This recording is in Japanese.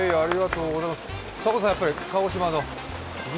迫田さん、やっぱり鹿児島の？